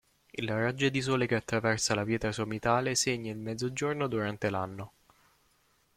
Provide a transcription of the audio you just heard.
Il raggio di sole che attraversa la pietra sommitale segna il mezzogiorno durante l'anno.